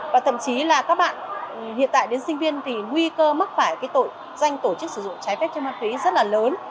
và thậm chí là các bạn hiện tại đến sinh viên thì nguy cơ mắc phải cái tội danh tổ chức sử dụng trái phép trên ma túy rất là lớn